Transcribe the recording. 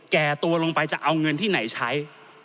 แก่ตัวลงไปจะเอาเงินที่ไหนใช้